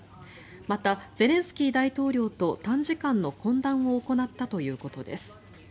また、ゼレンスキー大統領と短時間の懇談を行ったということです。